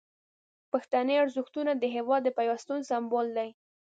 پښتني ارزښتونه د هیواد د پیوستون سمبول دي.